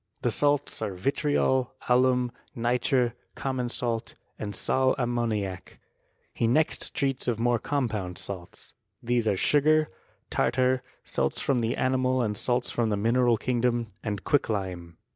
The salts are vitriol, alum, nitre, common salt, and sal ammoniac. He next treats of more compound salts. These are sugar, tartar, salts from the animal and salts from the mineral kingdom, and quicklime.